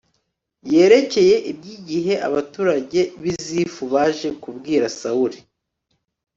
yerekeye iby'igihe abaturage b'i zifu baje kubwira sawul